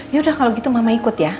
yaudah kalau gitu mama ikut ya